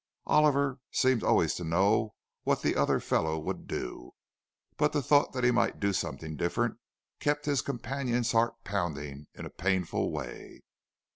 Oliver seemed always to know what the other fellow would do; but the thought that he might do something different kept his companion's heart pounding in a painful way.